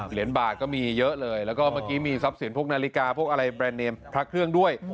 เหรียญบาทก็มีเยอะเลยแล้วก็เมื่อกี้มีทรัพย์สินพวกนาฬิกาพวกอะไรแบรนดเนมพระเครื่องด้วย